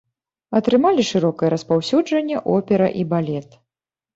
Атрымалі шырокае распаўсюджанне опера і балет.